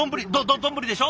丼でしょ？